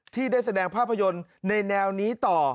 ที่ได้แสดงภาพยนตร์ในแนวนี้ต่อ